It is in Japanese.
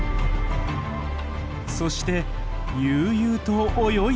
そして悠々と泳いでいます。